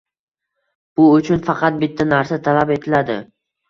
Bu uchun faqat bitta narsa talab etiladi.